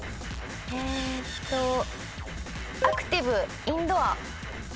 アクティブインドア。